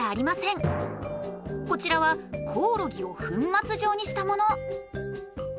こちらはコオロギを粉末状にしたもの。